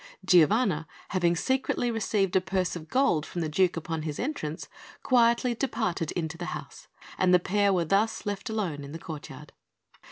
Giovanna, having secretly received a purse of gold from the Duke upon his entrance, quietly departed into the house, and the pair were thus left alone in the courtyard.